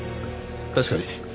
確かに。